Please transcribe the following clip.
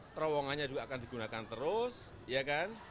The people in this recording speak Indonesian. terowongannya juga akan digunakan terus ya kan